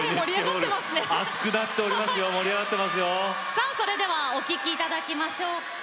さあそれではお聴き頂きましょう。